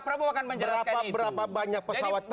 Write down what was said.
berapa banyak rudal berapa banyak pesawat tempur